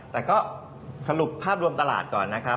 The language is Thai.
แต่ก็สรุปภาพรวมตลาดก่อนนะครับ